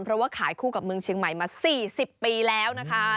เพราะว่าขายคู่กับเมืองเชียงใหม่มา๔๐ปีแล้วนะคะ